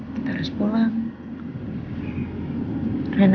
kita tunggu dia di rumah mama